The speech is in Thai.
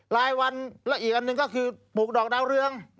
รายวันและอีกอันหนึ่งก็คือปลูกดอกดาวเรือง